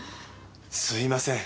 すいません。